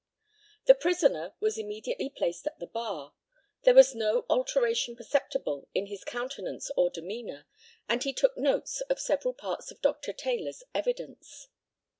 The prisoner was immediately placed at the bar. There was no alteration perceptible in his countenance or demeanour, and he took notes of several parts of Dr. Taylor's evidence.